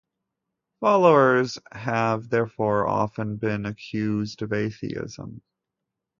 Followers have therefore often been accused of atheism.